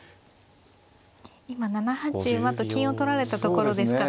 今７八馬と金を取られたところですからね。